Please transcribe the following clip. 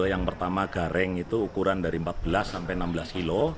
yang pertama garing itu ukuran dari empat belas sampai enam belas kilo